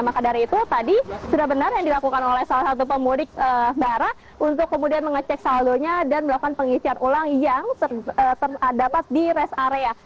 maka dari itu tadi sudah benar yang dilakukan oleh salah satu pemudik bara untuk kemudian mengecek saldonya dan melakukan pengisian ulang yang terdapat di rest area